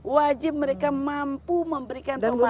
wajib mereka mampu memberikan pemahaman